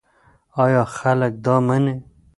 ایا خلک دا مني؟